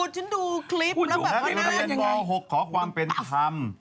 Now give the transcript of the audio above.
ฉันดูคลิปแล้วแบบว่านั่นยังไงพูดอยู่ในโรงเรียนป๖ขอความเป็นธรรม